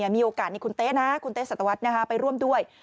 มีโอกาสคุณเต๊สัตวัสตร์ไปร่วมด้วย